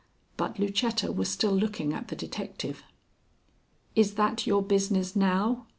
But Lucetta was still looking at the detective. "Is that your business now?"